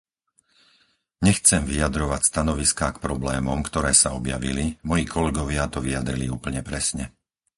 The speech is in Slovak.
Nechcem vyjadrovať stanoviská k problémom, ktoré sa objavili, moji kolegovia to vyjadrili úplne presne.